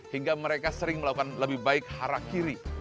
hingga mereka sering melakukan lebih baik hara kiri